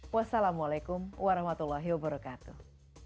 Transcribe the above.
wassalamualaikum warahmatullahi wabarakatuh